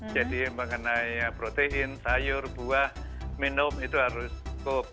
jadi mengenai protein sayur buah minum itu harus cukup